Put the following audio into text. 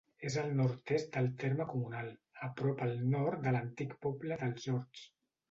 És al nord-est del terme comunal, a prop al nord de l'antic poble dels Horts.